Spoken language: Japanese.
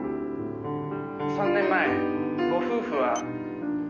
「３年前ご夫婦は」